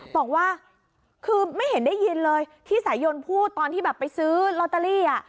บอกว่าคือไม่เห็นได้ยินเลยที่สายยนพูดตอนที่แบบไปซื้อลอตเตอรี่